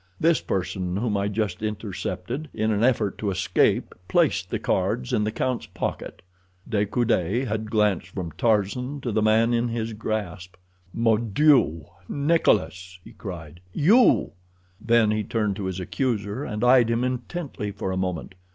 This person whom I just intercepted in an effort to escape placed the cards in the count's pocket." De Coude had glanced from Tarzan to the man in his grasp. "Mon Dieu, Nikolas!" he cried. "You?" Then he turned to his accuser, and eyed him intently for a moment.